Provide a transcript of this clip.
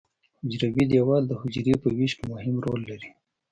حجروي دیوال د حجرې په ویش کې مهم رول لري.